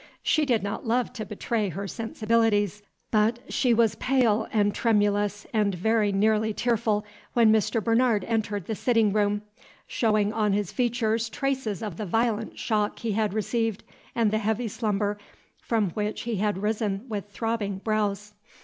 She did not love to betray her sensibilities, but she was pale and tremulous and very nearly tearful when Mr. Bernard entered the sitting room, showing on his features traces of the violent shock he had received and the heavy slumber from which he had risen with throbbing brows.